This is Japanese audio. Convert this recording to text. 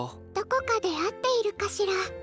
どこかで会っているかしら？